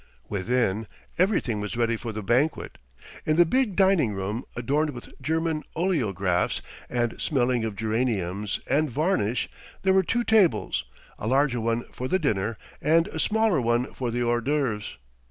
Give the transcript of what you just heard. ..." Within, everything was ready for the banquet. In the big dining room adorned with German oleographs and smelling of geraniums and varnish there were two tables, a larger one for the dinner and a smaller one for the hors d'oeuvres.